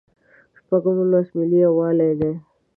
شپږم لوست ملي یووالی دی.